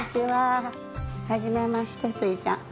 はじめましてスイちゃん。